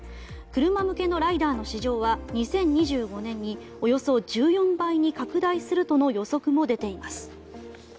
車向けのＬｉＤＡＲの市場は２０２５年におよそ１４倍に拡大するとの予測も出ています。